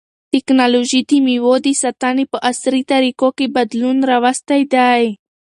تکنالوژي د مېوو د ساتنې په عصري طریقو کې بدلون راوستی دی.